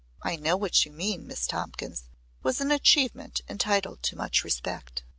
I know what you mean, Miss Tompkins," was an achievement entitled to much respect.